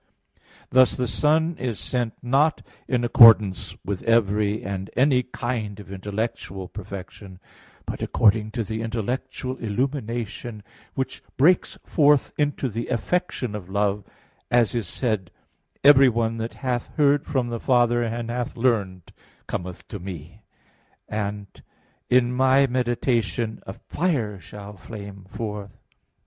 Thus the Son is sent not in accordance with every and any kind of intellectual perfection, but according to the intellectual illumination, which breaks forth into the affection of love, as is said (John 6:45): "Everyone that hath heard from the Father and hath learned, cometh to Me," and (Ps. 38:4): "In my meditation a fire shall flame forth."